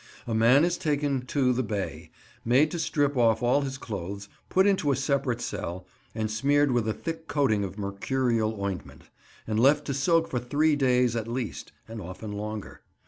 A man is taken to "the bay," made to strip off all his clothes, put into a separate cell, and smeared with a thick coating of mercurial ointment, and left to soak for three days at least, and often longer.